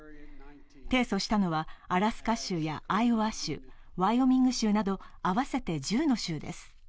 提訴したのはアラスカ州やアイオワ州、ワイオミング州など合わせて１０の州です。